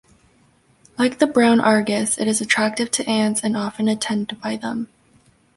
Like the brown argus, it is attractive to ants and often attended by them.